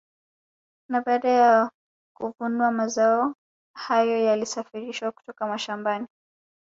Na baada ya kuvunwa mazao hayo yalisafirishwa kutoka mashamabani